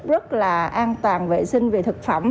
rất là an toàn vệ sinh về thực phẩm